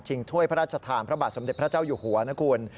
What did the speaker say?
ถ้วยพระราชทานพระบาทสมเด็จพระเจ้าอยู่หัวนะคุณ